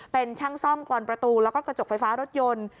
เป็นช่างซ่อมกรอนประตูแล้วก็กระจกไฟฟ้ารถยนต์